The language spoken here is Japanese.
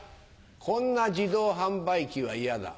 こんな自動販売機は嫌だ。